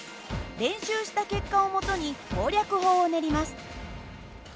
練習した結果を基に攻略法を練ります。